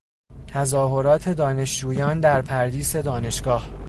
تظاهرات دانشجویان در پردیس دانشگاه